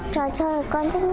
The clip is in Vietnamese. trò chơi con thích nhé